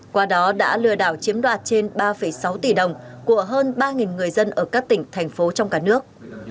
qua đó đã lừa đảo chiếm đoạt trên ba sáu tỷ đồng của hơn ba người dân ở các tỉnh thành phố trong cả nước